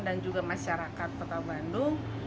dan juga masyarakat kota bandung